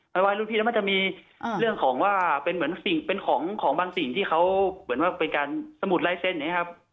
วัยรุ่นพี่แล้วมันจะมีเรื่องของว่าเป็นเหมือนสิ่งเป็นของบางสิ่งที่เขาเหมือนว่าเป็นการสมุดลายเซ็นต์อย่างนี้ครับ